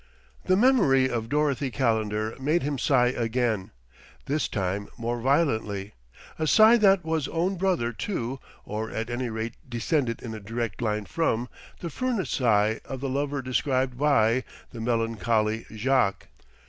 The memory of Dorothy Calendar made him sigh again, this time more violently: a sigh that was own brother to (or at any rate descended in a direct line from) the furnace sigh of the lover described by, the melancholy Jaques.